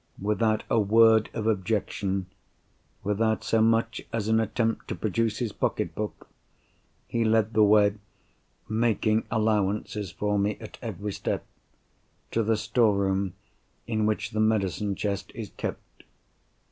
Without a word of objection, without so much as an attempt to produce his pocket book, he led the way (making allowances for me at every step) to the store room in which the medicine chest is kept.